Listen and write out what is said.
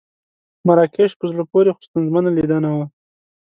مراکش په زړه پورې خو ستونزمنه لیدنه وه.